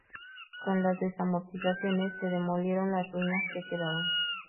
Con las desamortizaciones se demolieron las ruinas que quedaban.